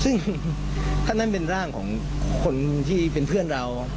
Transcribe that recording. ซึ่งท่านนั้นเป็นร่างของคนที่เป็นเพื่อนเรา